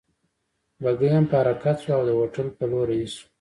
بګۍ هم په حرکت شوه او د هوټل په لور رهي شوو.